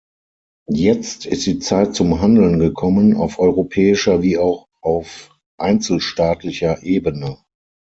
Jetzt ist die Zeit zum Handeln gekommen, auf europäischer wie auch auf einzelstaatlicher Ebene.